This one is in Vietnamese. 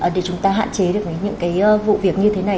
để chúng ta hạn chế được những cái vụ việc như thế này